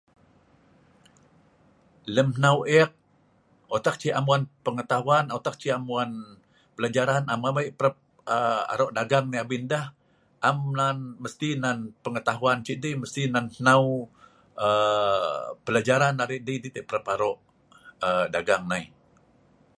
lem hnau ek otak ceh am wan pengetahuan otak ceh am wan pelajaran am amei parap um arok dagang nei abin deh am nan mesti nan pengetahuan ceh dei mesti nan hnau um pelajaran arai dei dei teh arai parap arok um dagang nai